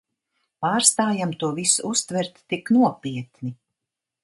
Pārstājam to visu uztvert tik nopietni.